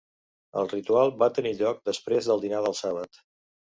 El ritual va tenir lloc després del dinar del sàbat.